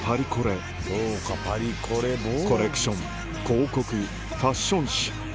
コレクション広告ファッション誌